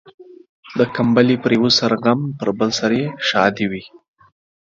د کمبلي پر يوه سر غم ، پر بل سر يې ښادي وي.